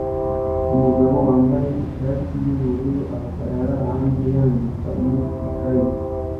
Umugabo wambaye ishati yubururu ahagarara hanze yandika mu ikaye